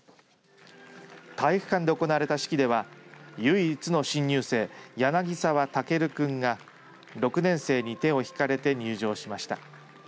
体育館で行われた式では唯一の新入生柳澤丈くんが、６年生に手を引かれて入場しました。